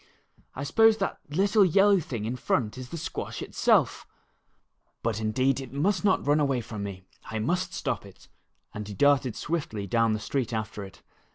I suppose that little yellow thing in front is the squash itself But indeed it must not run A Quick Running Squash. 5 away from me, I must stop it," and he darted swiftly down the street after it.